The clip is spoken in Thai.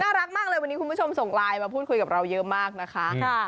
รักมากเลยวันนี้คุณผู้ชมส่งไลน์มาพูดคุยกับเราเยอะมากนะคะ